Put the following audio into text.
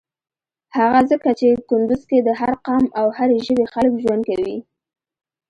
هغه ځکه چی کندوز کی د هر قام او هری ژبی خلک ژوند کویی.